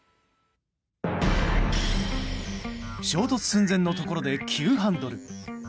衝突寸前のところで急ハンドル。